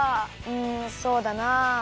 うんそうだなあ。